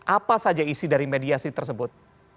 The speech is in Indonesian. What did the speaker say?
apa saja isi dari mediasi tersebut